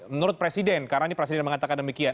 menurut presiden karena ini presiden mengatakan demikian